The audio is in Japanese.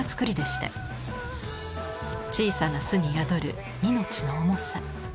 小さな巣に宿る命の重さ。